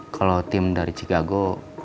kalau tim dari chicago